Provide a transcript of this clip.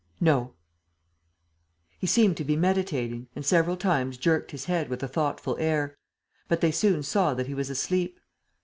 "No." He seemed to be meditating and several times jerked his head with a thoughtful air: but they soon saw that he was asleep.